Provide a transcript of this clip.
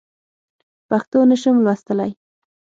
پښتو نه شم لوستلی.